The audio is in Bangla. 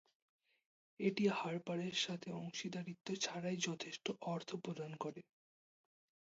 এটি হার্পারের সাথে অংশীদারিত্ব ছাড়াই যথেষ্ট অর্থ প্রদান করে।